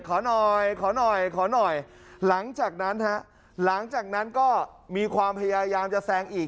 ขอหน่อยขอหน่อยขอหน่อยหลังจากนั้นฮะหลังจากนั้นก็มีความพยายามจะแซงอีก